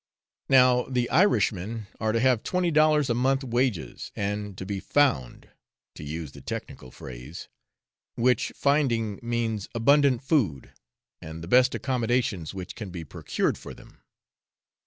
Now the Irishmen are to have twenty dollars a month wages, and to be 'found' (to use the technical phrase,) which finding means abundant food, and the best accommodations which can be procured for them.